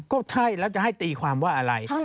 ก็ใช่แล้วจะให้ตีความว่าอะไร